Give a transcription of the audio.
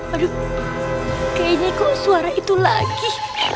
aduh kayaknya kok suara itu lagi